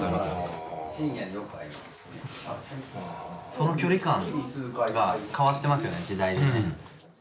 その距離感が変わってますよね時代でね。